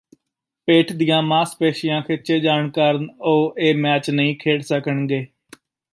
ਪੇਟ ਦੀਆਂ ਮਾਸ ਪੇਸ਼ੀਆਂ ਖਿੱਚੇ ਜਾਣ ਕਾਰਨ ਉਹ ਇਹ ਮੈਚ ਨਹੀਂ ਖੇਡ ਸਕਣਗੇ